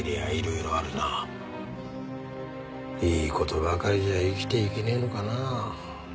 いい事ばかりじゃ生きていけねえのかなあ。